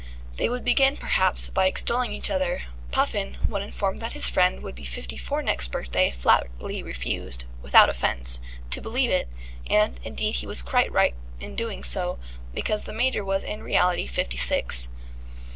They would begin, perhaps, by extolling each other: Puffin, when informed that his friend would be fifty four next birthday, flatly refused (without offence) to believe it, and, indeed, he was quite right in so doing, because the Major was in reality fifty six.